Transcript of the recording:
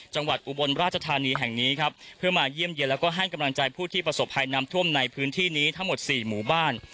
อุบลราชธานีแห่งนี้ครับเพื่อมาเยี่ยมเยี่ยมแล้วก็ให้กำลังใจผู้ที่ประสบภัยนำท่วมในพื้นที่นี้ทั้งหมดสี่หมู่บ้าน